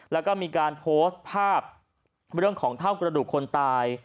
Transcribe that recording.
แล้วก็มีการโพสต์ภาพเรื่องของเท่ากระดูกคนตาย